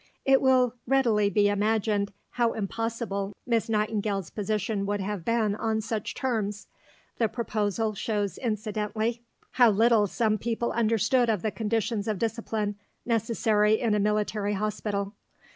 It will readily be imagined how impossible Miss Nightingale's position would have been on such terms. The proposal shows incidentally how little some people understood of the conditions of discipline necessary in a military hospital.